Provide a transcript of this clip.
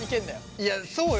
いやそうよ。